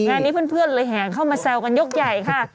งานนี้เพื่อนเลยแห่เข้ามาแซวกันยกใหญ่ค่ะ